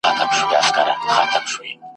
ته به مي نه وینې بې پښو او بې امسا راځمه ,